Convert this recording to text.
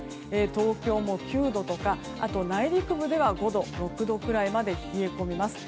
東京も９度とかあと内陸部では５度、６度くらいまで冷え込みます。